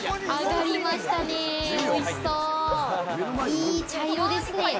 いい茶色ですね。